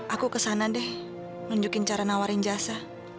aku kesana deh nunjukin cara nawarin jasa